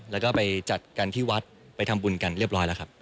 แล้วก็ไปจัดกันที่วัดไปทำบุญกันเรียบร้อยแล้วครับ